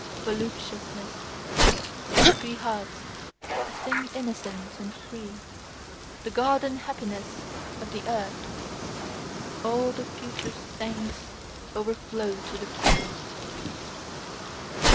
Voluptuousness: to free hearts, a thing innocent and free, the garden happiness of the earth, all the future's thanks overflow to the present.